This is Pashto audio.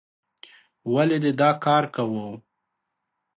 ولې دې دا کار کوو؟